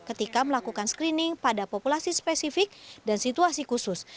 ketika melakukan screening pada populasi spesifik dan situasi khusus